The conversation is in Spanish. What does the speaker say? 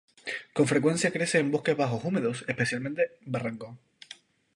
Con frecuencia crece en bosques bajos húmedos, especialmente barrancos.